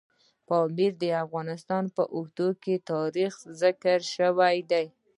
پامیر د افغانستان په اوږده تاریخ کې ذکر شوی دی.